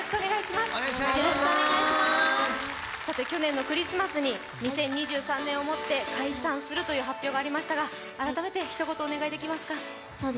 去年のクリスマスに２０２３年をもって解散する発表がありましたが改めてひと言お願いできますか？